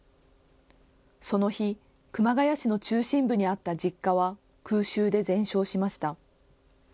その日、熊谷市の中心部にあった実家は空襲で全焼しました。